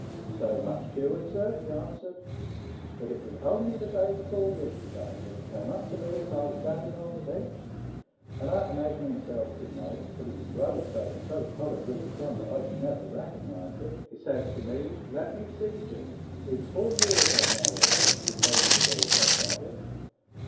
So much cured, sir," he answered, *' that it was only the day before yesterday that he came up to me as I was standing on the beach, and arter making him self beknown— for he was growed so, and so coloured with the sun th«t I should never have recognized him — he says to me, * Let me see, Jimmy ; it*s four year ago now, I think, since I was aboard your cottage.